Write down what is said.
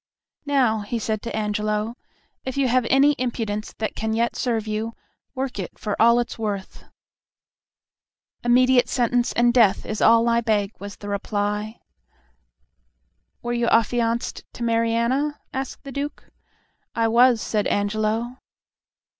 "Now," he said to Angelo, "if you have any impudence that can yet serve you, work it for all it's worth." "Immediate sentence and death is all I beg," was the reply. "Were you affianced to Mariana?" asked the Duke. "I was," said Angelo.